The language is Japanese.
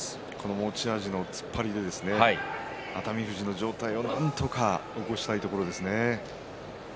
持ち味の突っ張りで熱海富士の上体をなんとか起こしたいところですね。